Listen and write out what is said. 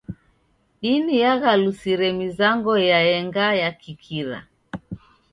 Dini yaghalusire mizango yaenga ya kikira.